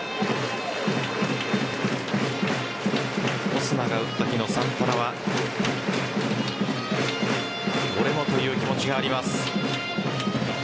オスナが打った日のサンタナは俺もという気持ちがあります。